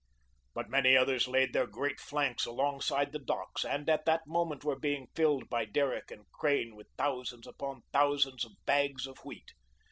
But many others laid their great flanks alongside the docks and at that moment were being filled by derrick and crane with thousands upon thousands of bags of wheat.